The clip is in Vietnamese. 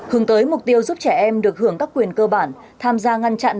hướng tới mục tiêu giúp trẻ em được hưởng các quyền cơ bản tham gia ngăn chặn